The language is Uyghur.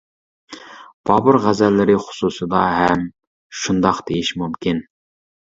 بابۇر غەزەللىرى خۇسۇسىدا ھەم شۇنداق دېيىش مۇمكىن.